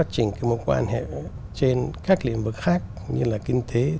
chúc mừng năm mới